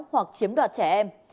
hoặc chiếm đoạt trẻ em